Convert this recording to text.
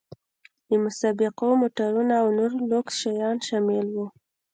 د مسابقو موټرونه او نور لوکس شیان شامل وو.